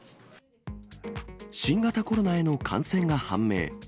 新型コロナへの感染が判明。